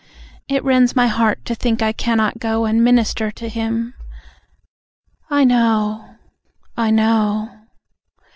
It rends my heart to think I cannot go And minister to him. ... I know. I know.